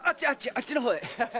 あっちの方へ。